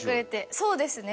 そうですね。